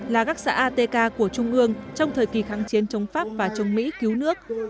là các xã atk của trung ương trong thời kỳ kháng chiến chống pháp và chống mỹ cứu nước